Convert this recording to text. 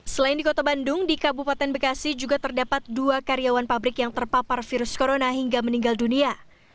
selain di kota bandung di kabupaten bekasi juga terdapat dua karyawan pabrik yang terpapar virus corona hingga meninggal dunia